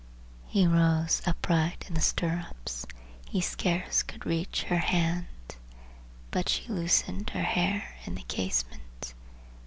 He stood upright in the stirrups; he scarce could reach her hand, But she loosened her hair in the casement!